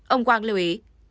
ông wang lưu ý